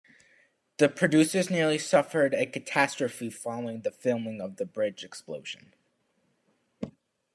The producers nearly suffered a catastrophe following the filming of the bridge explosion.